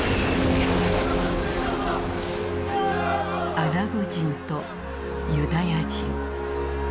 アラブ人とユダヤ人。